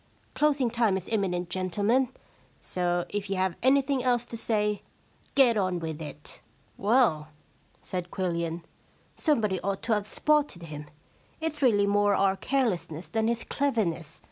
Closing time is imminent, gentlemen. So if you have anything else to say, get on with it.' * Well,* said Quillian, * somebody ought to have spotted him. It's really more our carelessness than his cleverness.